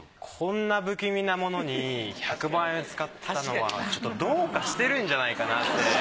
こんな不気味なものに１００万円使ったのはちょっとどうかしてるんじゃないかなって。